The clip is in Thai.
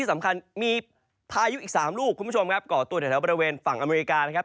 สำคัญมีพายุอีก๓ลูกคุณผู้ชมครับก่อตัวแถวบริเวณฝั่งอเมริกานะครับ